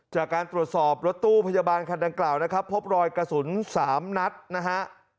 จากการตรวจสอบรถตู้พยาบาลคันดังกล่าวนะครับพบรอยกระสุน๓นัดนะฮะ